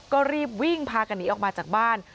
ก็รีบวิ่งพากันหนีออกมาจากบ้าน